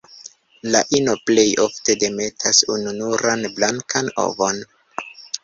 La ino plej ofte demetas ununuran blankan ovon.